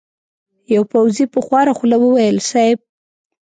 يوه پوځي په خواره خوله وويل: صېب!